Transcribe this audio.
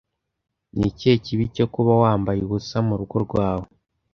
Ni ikihe kibi cyo kuba wambaye ubusa mu rugo rwawe?